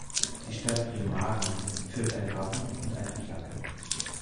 Die Stadt Remagen führt ein Wappen und eine Flagge.